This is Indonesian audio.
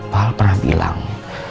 pak aldan pernah bilang